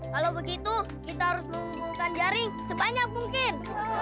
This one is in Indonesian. kalau begitu kita harus mengumpulkan jaring sebanyak mungkin